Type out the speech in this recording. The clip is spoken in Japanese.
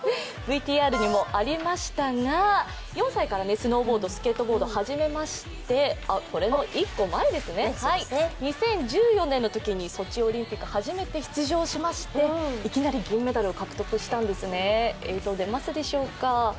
ＶＴＲにもありましたが４歳からスノーボード、スケートボードを初めまして２０１４年のときにソチオリンピックに初めて出場しまして、いきなり銀メダルを獲得したんですね。